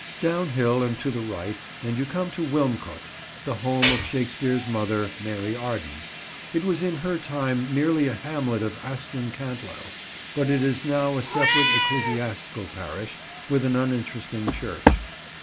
Downhill and to the right, and you come to Wilmcote, the home of Shakespeare's mother, Mary Arden. It was in her time merely a hamlet of Aston Cantlow, but is now a separate ecclesiastical parish, with an uninteresting church.